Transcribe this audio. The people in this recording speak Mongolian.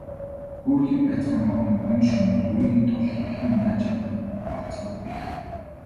Хөөрхий бяцхан охин гүн шөнөөр юуны тул хэрхэн яаж явахыг болзоход бэрх.